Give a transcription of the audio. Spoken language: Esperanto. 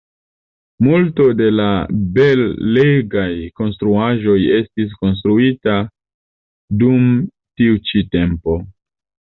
Multo de la belegaj konstruaĵoj estis konstruita dum ĉi tiu tempo.